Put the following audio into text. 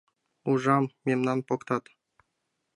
Ужам — мемнам поктат.